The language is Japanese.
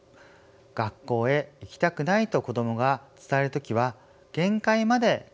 「学校へ行きたくない」と子どもが伝える時は限界まで我慢した時です。